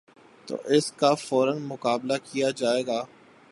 تو اس کا فورا مقابلہ کیا جائے گا۔